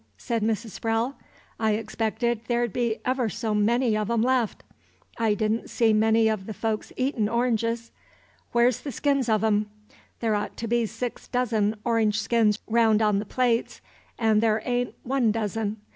said Mrs. Sprowle. "I expected there'd be ever so many of 'em left. I did n't see many of the folks eatin' oranges. Where's the skins of 'em? There ought to be six dozen orange skins round on the plates, and there a'n't one dozen.